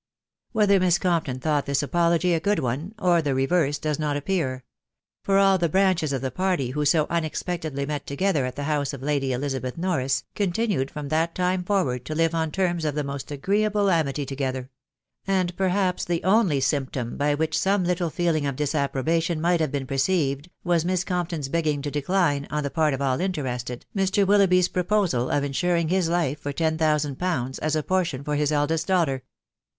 Whether Miss Compton thought this apolopy a good one, or the reverse, does not appear; for all the branches of the party who so unexpectedly met togetV\ex «x Ohfc Vvwsafe <&\j»&^ Mlixabeth Norris continued from tViat ume £ww*\& \» ^v* ^_ terms of the most agreeable amity tofcetfci« •» wA vflo«S* ^°* i i 3 486 THE WIDOW BABNABY. only symptom by which some little feeling of disapprobation might have been perceived, was Miss Compton's begging to decline, on the part of all interested, Mr. Willoughby 's pro posal of insuring his life for ten thousand pounds, as a portion for his eldest daughter.